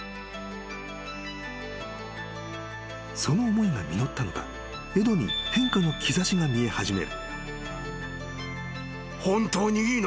［その思いが実ったのかエドに変化の兆しが見え始める］